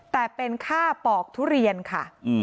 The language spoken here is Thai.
แต่เป็นค่าปอกทุเรียนค่ะ